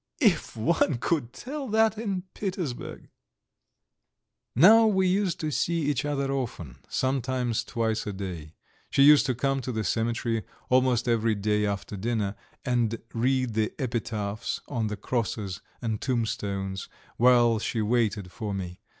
"If one could tell that in Petersburg!" IX Now we used to see each other often, sometimes twice a day. She used to come to the cemetery almost every day after dinner, and read the epitaphs on the crosses and tombstones while she waited for me.